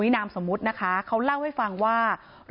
แต่มีเงินไปกินหรูอยู่สบายแบบสร้างภาพ